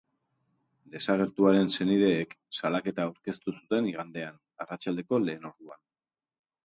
Desagertuaren senideek salaketa aurkeztu zuten igandean, arratsaldeko lehen orduan.